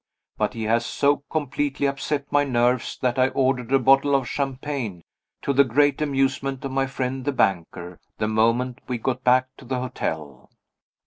But he has so completely upset my nerves that I ordered a bottle of champagne (to the great amusement of my friend the banker) the moment we got back to the hotel.